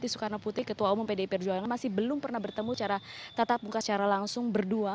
soekarno putih ketua umum pd perjuangan masih belum pernah bertemu secara langsung berdua